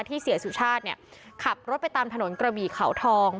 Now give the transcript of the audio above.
เสียสุชาติเนี่ยขับรถไปตามถนนกระบี่เขาทอง